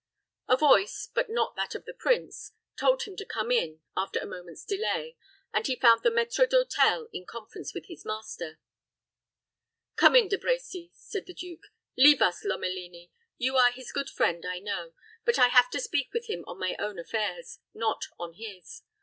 A voice, but not that of the prince, told him to come in, after a moment's delay, and he found the maître d'hôtel in conference with his master. "Come in, De Brecy," said the duke. "Leave us, Lomelini. You are his good friend, I know. But I have to speak with him on my own affairs, not on his.